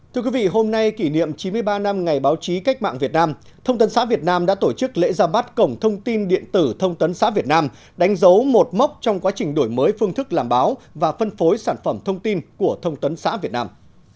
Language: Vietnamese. thưa quý vị hôm nay kỷ niệm chín mươi ba năm ngày báo chí cách mạng việt nam thông tấn xã việt nam đã tổ chức lễ ra mắt cổng thông tin điện tử thông tấn xã việt nam đánh dấu một mốc trong quá trình đổi mới phương thức làm báo và phân phối sản phẩm thông tin của thông tấn xã việt nam